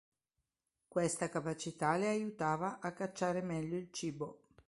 Questa capacità le aiutava a cacciare meglio il cibo.